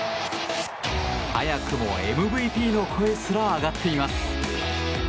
早くもＭＶＰの声すら上がっています。